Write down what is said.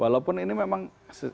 walaupun ini memang